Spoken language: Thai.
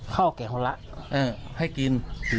ข้าวแก่คนละให้กิน